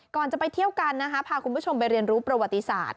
ก่อนจะไปเที่ยวกันนะคะพาคุณผู้ชมไปเรียนรู้ประวัติศาสตร์